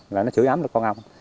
là nó sửa ấm được con ông